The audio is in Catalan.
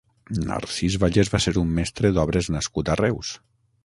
Narcís Vallès va ser un mestre d'obres nascut a Reus.